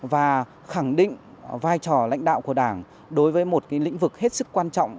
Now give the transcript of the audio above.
và khẳng định vai trò lãnh đạo của đảng đối với một lĩnh vực hết sức quan trọng